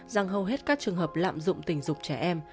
rằng hầu hết các trường hợp lạm dụng tình dục trẻ em